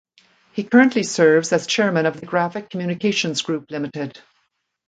He currently serves as Chairman of the Graphic Communications Group Limited.